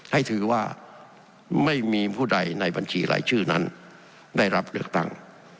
ให้ถือว่าไม่มีผู้ใดในบัญชีรายชื่อนั้นได้รับเลือกตั้ง